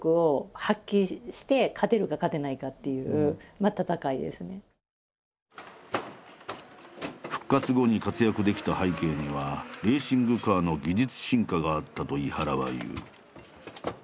なのでもう本当に復活後に活躍できた背景にはレーシングカーの技術進化があったと井原は言う。